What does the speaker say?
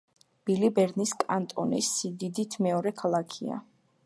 ბილი ბერნის კანტონის სიდიდით მეორე ქალაქია.